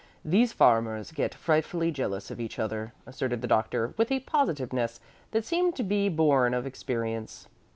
These farmers get frightfully jealous of each other," asserted the Doctor, with a positiveness that seemed to be born of experience.